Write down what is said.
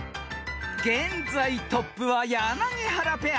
［現在トップは柳原ペア］